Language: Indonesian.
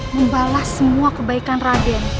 membalas semua kebaikan raja kalian